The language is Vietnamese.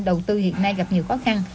đầu tư hiện nay gặp nhiều khó khăn